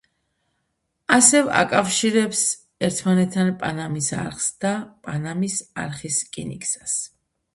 ასევ აკავშირებს ერთმანეთთან პანამის არხს და პანამის არხის რკინიგზას.